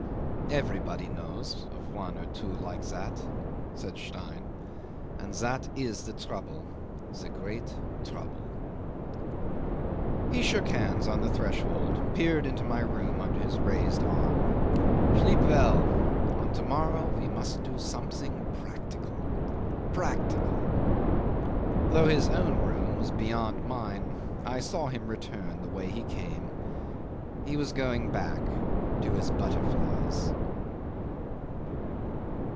"Everybody knows of one or two like that," said Stein; "and that is the trouble the great trouble. ..." 'He shook hands on the threshold, peered into my room under his raised arm. "Sleep well. And to morrow we must do something practical practical. ..." 'Though his own room was beyond mine I saw him return the way he came. He was going back to his butterflies.